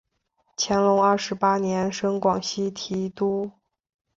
乾隆二十八年升广西提督。